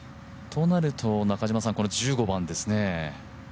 となると、この１５番ですね。